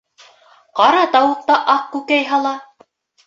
Ҡара тауыҡ та аҡ күкәй һала.